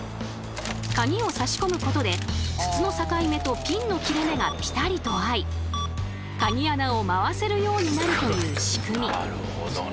カギを差し込むことで筒の境目とピンの切れ目がピタリと合いカギ穴を回せるようになるという仕組み。